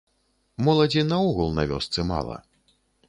Моладзі наогул на вёсцы мала.